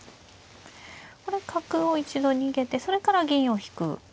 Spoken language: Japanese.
これ角を一度逃げてそれから銀を引く。